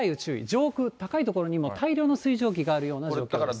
上空高い所に大量の水蒸気があるような状況です。